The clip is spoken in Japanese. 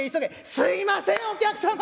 「すいませんお客様！